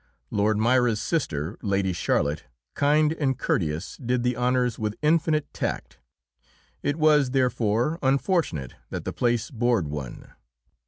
Lord Moira's sister, Lady Charlotte, kind and courteous, did the honours with infinite tact. It was, therefore, unfortunate that the place bored one.